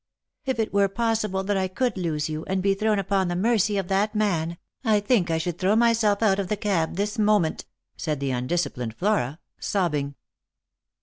" If it were possible that I could lose you, and be thrown upon the mercy of that man, I think I should throw myself out of the cab this moment," said the undisciplined Flora, sobbing.